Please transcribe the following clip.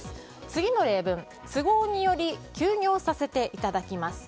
次の例文都合により休業させていただきます。